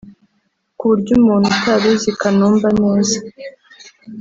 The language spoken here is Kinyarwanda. ku buryo umuntu utari uzi Kanumba neza